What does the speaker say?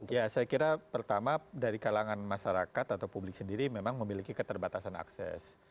ya saya kira pertama dari kalangan masyarakat atau publik sendiri memang memiliki keterbatasan akses